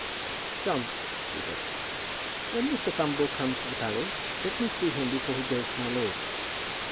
"John," she said, "when Mr. Thumble comes to the palace, let me see him before he goes to my lord."